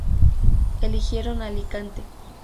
Eligieron Alicante.